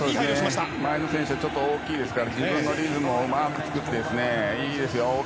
前の選手が大きいですから自分のリズムをうまく作って、いいですよ。